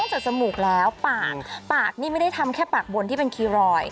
ต้องเจอสมุกแล้วปากนี่ไม่ได้ทำแค่ปากบนที่เป็นคีรอย